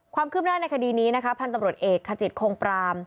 ความคืบหน้าในคดีนี้นะคะพันธุ์ตำรวจเอกขจิตคงปราม